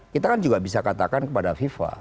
kita kan juga bisa katakan kepada fifa